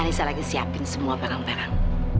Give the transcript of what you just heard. anissa lagi siapin semua barang barang